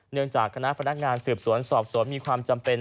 จากคณะพนักงานสืบสวนสอบสวนมีความจำเป็น